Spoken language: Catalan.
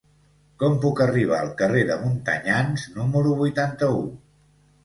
Com puc arribar al carrer de Montanyans número vuitanta-u?